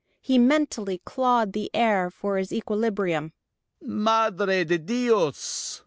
He mentally clawed the air for his equilibrium. "_Madre de Dios!